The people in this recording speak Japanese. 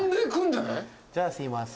じゃあすいません。